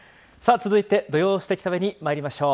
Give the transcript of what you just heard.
続いて、土曜すてき旅にまいりましょう。